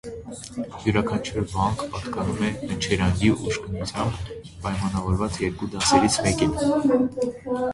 Յուրաքանչյուր վանկ (տառ) պատկանում է հնչերանգի ուժգնությամբ պայմանավորված երկու դասերից մեկին։